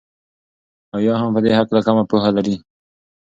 او يا هم په دي هكله كمه پوهه لري